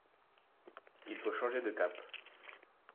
Il faut changer de cap